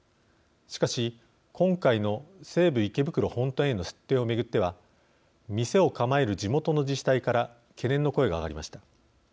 しかし、今回の西武池袋本店への出店を巡っては店を構える地元の自治体から懸念の声が上がりました。